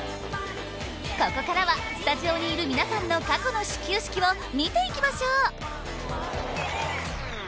ここからはスタジオにいる皆さんの過去の始球式を見ていきましょう。